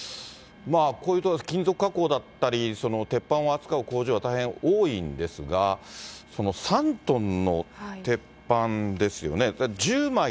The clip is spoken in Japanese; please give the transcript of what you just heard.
こういう所は金属加工だったり、鉄板を扱う工場は大変多いんですが、３トンの鉄板ですよね。